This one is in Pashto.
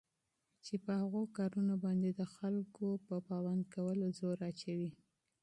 چې په هغو كارونو باندي دخلكوپه پابند كولو زور اچوي